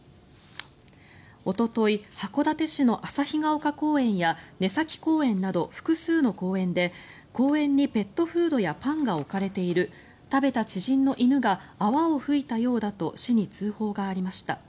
おととい、函館市の旭岡公園や根崎公園など複数の公園で公園にペットフードやパンが置かれている食べた知人の犬が泡を吹いたようだと市に通報がありました。